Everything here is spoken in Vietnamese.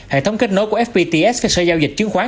hệ thống kết nối của fpts với sở giao dịch chứng khoán